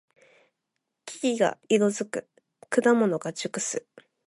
木々が色づく。果物が熟す。